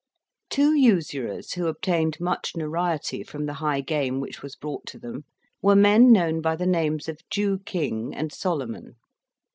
Two usurers, who obtained much notoriety from the high game which was brought to them, were men known by the names of Jew King and Solomon.